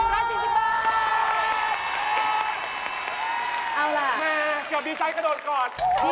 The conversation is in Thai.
เอาล่ะแม่เกี่ยวกับดีไซน์กระโดดก่อน